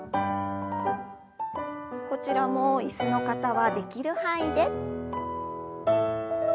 こちらも椅子の方はできる範囲で。